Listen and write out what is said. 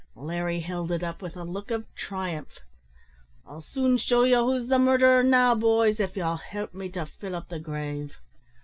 Larry held it up with a look of triumph. "I'll soon shew ye who's the murderer now, boys, av ye'll help me to fill up the grave."